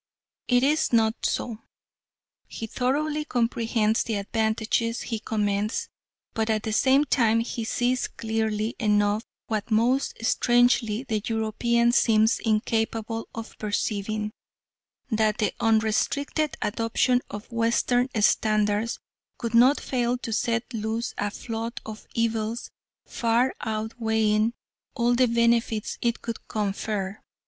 It is not so. He thoroughly comprehends the advantages he commends, but at the same time he sees clearly enough, what most strangely the European seems incapable of perceiving, that the unrestricted adoption of Western standards could not fail to set loose a flood of evils far outweighing all the benefits it could confer.